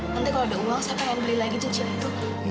nanti kalau ada uang saya pengen beli lagi cicilan itu